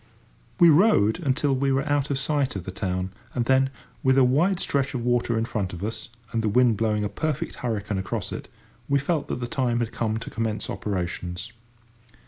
We rowed until we were out of sight of the town, and then, with a wide stretch of water in front of us, and the wind blowing a perfect hurricane across it, we felt that the time had come to commence operations.